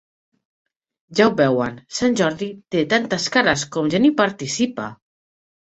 Ja ho veuen, Sant Jordi té tantes cares com gent hi participa!